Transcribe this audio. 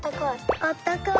あったかい。